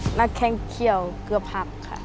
หน้าแข่งเขียวเกือบหักค่ะ